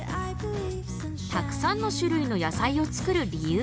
たくさんの種類の野菜を作る理由。